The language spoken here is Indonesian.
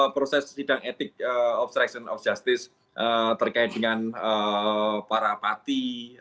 proses sidang etik obstruction of justice terkait dengan para pati